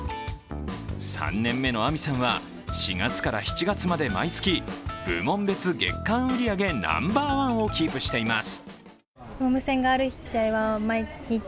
３年目のあみさんは、４月から７月まで毎月、部門別月間売り上げナンバーワンをキープしています。